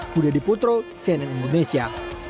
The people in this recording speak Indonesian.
budha diputro cnn indonesia